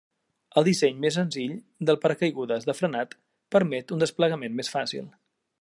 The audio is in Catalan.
El disseny més senzill del paracaigudes de frenat permet un desplegament més fàcil.